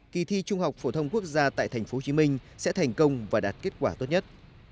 kỳ thi trung học phổ thông quốc gia tại tp hcm sẽ thành công và đạt kết quả tốt nhất